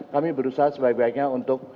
kami berusaha sebaik baiknya untuk